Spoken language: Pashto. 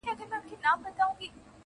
مړې سي عاطفې هلته ضمیر خبري نه کوي،